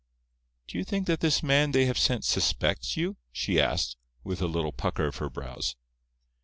"Do you think that this man they have sent suspects you?" she asked, with a little pucker of her brows.